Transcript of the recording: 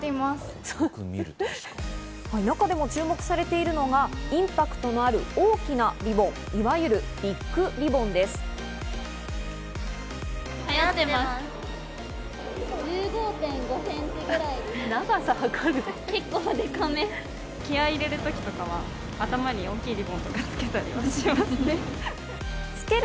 中でも注目されているのがインパクトのある大きなリボン、いわゆるビッグリボンです。